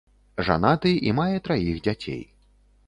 Жанаты і мае траіх дзяцей.